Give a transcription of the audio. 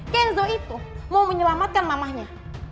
kenzo itu mau menyelamatkan mamahnya